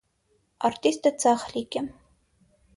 Աստրիտը ձախլիկ է։